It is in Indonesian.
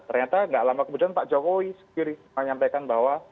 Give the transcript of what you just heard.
ternyata gak lama kemudian pak jokowi sendiri menyampaikan bahwa